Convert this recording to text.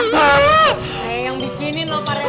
saya yang bikinin loh pak reti